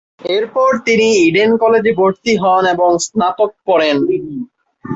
এরপর তিনি ইডেন কলেজে ভর্তি হন এবং স্নাতক পড়েন।